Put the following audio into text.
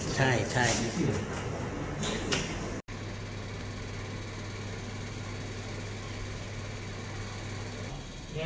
ใช่ใช่